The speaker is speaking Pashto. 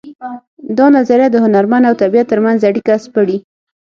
دا نظریه د هنرمن او طبیعت ترمنځ اړیکه سپړي